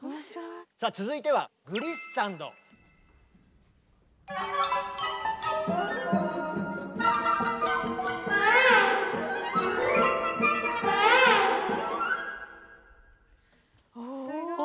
さあ続いてはすごい。